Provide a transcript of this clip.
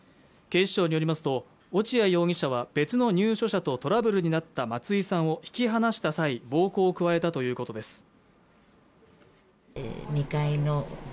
警視庁によりますと落合容疑者は別の入所者とトラブルになった松井さんを引き離した際暴行を加えたということです